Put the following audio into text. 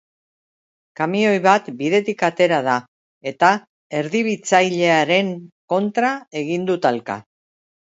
Kamioi bat bidetik atera da, eta erdibitzailearen kontra egin du talka.